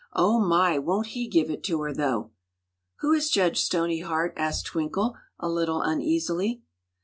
Oh, my! won't he give it to her, though!" "Who is Judge Stoneyheart?" asked Twinkle, a little uneasily.